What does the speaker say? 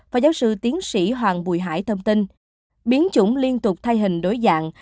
phó giáo sư tiến sĩ hoàng bùi hải thông tin biến trùng liên tục thay hình đối dạng